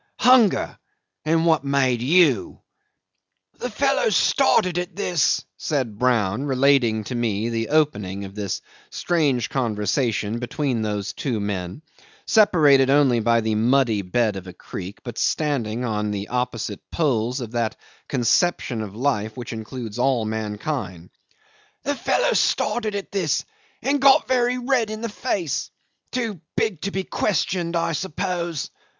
Hunger. And what made you?" '"The fellow started at this," said Brown, relating to me the opening of this strange conversation between those two men, separated only by the muddy bed of a creek, but standing on the opposite poles of that conception of life which includes all mankind "The fellow started at this and got very red in the face. Too big to be questioned, I suppose.